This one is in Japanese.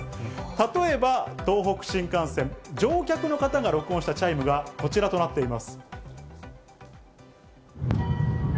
例えば東北新幹線、乗客の方が録音したチャイムがこちらとなっています。